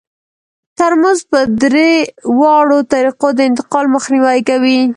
ترموز په درې واړو طریقو د انتقال مخنیوی کوي.